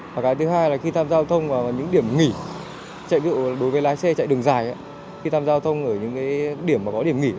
và cái thứ hai là khi tham giao thông vào những điểm nghỉ đối với lái xe chạy đường dài khi tham giao thông ở những điểm có điểm nghỉ